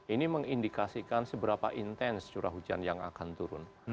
ini mengindikasikan seberapa intens curah hujan yang akan turun